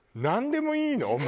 なんでもいいの？